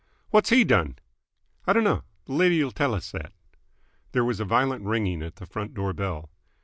"What's he done?" "I d'no. Th' lady'll tell us that." There was a violent ringing at the front door bell.